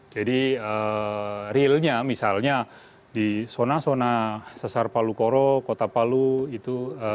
jadi realnya misalnya di zona zona sesar palu koro kota palu itu